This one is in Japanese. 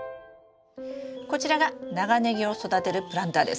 こちらが長ネギを育てるプランターです。